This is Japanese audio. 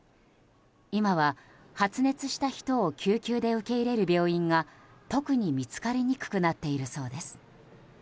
今は、発熱した人を救急で受け入れる病院が特に見つかりにくくなっているそうです。